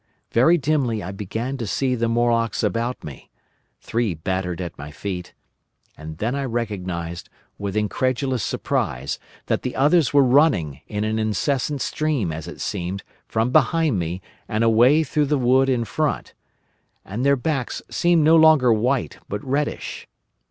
Very dimly I began to see the Morlocks about me—three battered at my feet—and then I recognised, with incredulous surprise, that the others were running, in an incessant stream, as it seemed, from behind me, and away through the wood in front. And their backs seemed no longer white, but reddish.